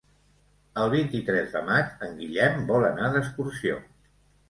El vint-i-tres de maig en Guillem vol anar d'excursió.